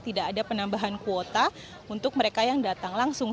tidak ada penambahan kuota untuk mereka yang datang langsung